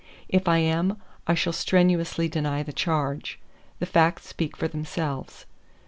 If I am, I shall strenuously deny the charge. The facts speak for themselves.